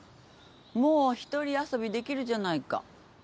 もう一人遊びできるじゃないか。